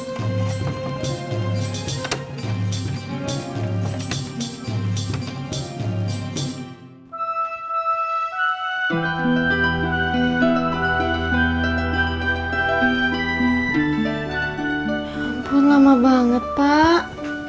ya ampun lama banget pak